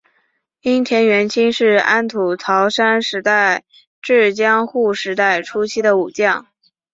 樱田元亲是安土桃山时代至江户时代初期的武将。